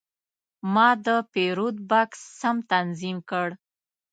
ما د پیرود بکس سم تنظیم کړ.